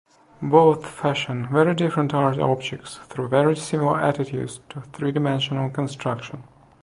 Both fashion very different art objects through very similar attitudes to three dimensional construction.